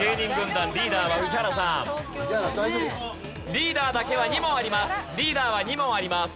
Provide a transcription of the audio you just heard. リーダーだけは２問あります。